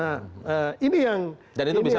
dan itu bisa menjadi indikasi kepastian